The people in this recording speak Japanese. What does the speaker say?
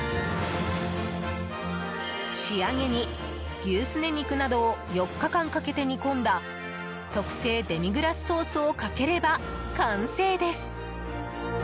仕上げに牛すね肉などを４日間かけて煮込んだ特製デミグラスソースをかければ完成です。